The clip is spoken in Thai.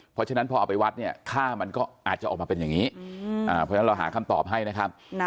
เพราะฉะนั้นพอเอาไปวัดเนี่ยค่ามันก็อาจจะออกมาเป็นอย่างนี้เพราะฉะนั้นเราหาคำตอบให้นะครับ